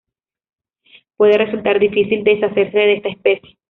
Puede resultar difícil deshacerse de esta especie.